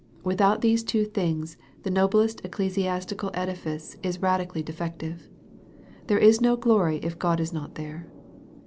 Without these two things, the noblest ecclesiastical edi fice is radically defective. It has no glory if God is not there.